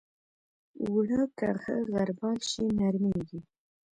اوړه که ښه غربال شي، نرمېږي